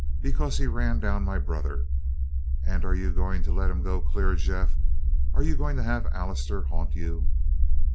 Because he ran down my brother. And are you going to let him go clear, Jeff? Are you going to have Allister haunt you?"